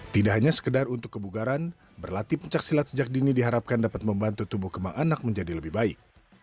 tidak hanya sekedar untuk kebugaran berlatih pencaksilat sejak dini diharapkan dapat membantu tumbuh kembang anak menjadi lebih baik